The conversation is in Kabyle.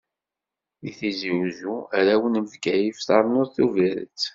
Deg Tizi Wezzu, arraw n Bgayet, ternuḍ Tubiret.